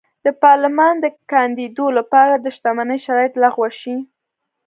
د پارلمان کاندېدو لپاره د شتمنۍ شرایط لغوه شي.